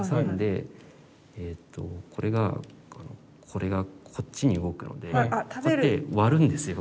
これがこっちに動くのでこうやって割るんですよ。